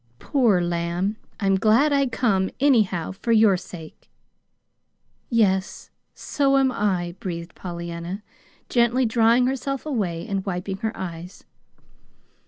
"Poor lamb! I'm glad I come, anyhow, for your sake." "Yes, so am I," breathed Pollyanna, gently drawing herself away and wiping her eyes.